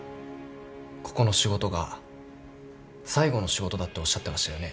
ここの仕事が最後の仕事だっておっしゃってましたよね？